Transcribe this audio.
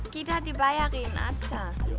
kita dibayarin aja